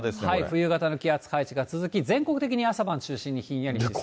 冬型の気圧配置が続き、全国的に朝晩中心にひんやりしそう。